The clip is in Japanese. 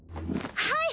はい！